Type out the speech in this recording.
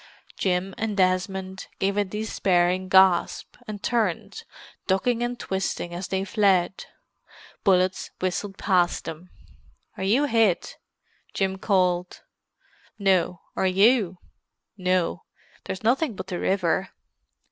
Jim and Desmond gave a despairing gasp, and turned, ducking and twisting as they fled. Bullets whistled past them. "Are you hit?" Jim called. "No. Are you?" "No. There's nothing but the river."